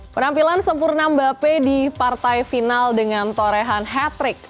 penampilan sempurna mbappe di partai final dengan torehan hat trick